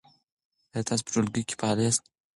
آیا تاسو په ټولګي کې فعال یاست؟